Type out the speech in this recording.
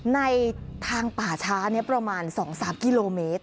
ในทางป่าช้านี้ประมาณ๒๓กิโลเมตร